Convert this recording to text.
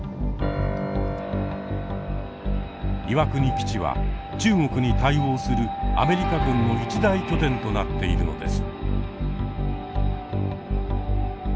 岩国基地は中国に対応するアメリカ軍の一大拠点となっているのです。